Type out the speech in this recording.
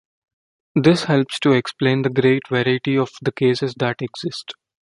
This helps to explain the great variety of cases that exist.